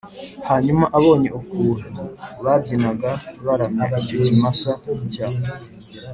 Hanyuma abonye ukuntu babyinaga baramya icyo kimasa cya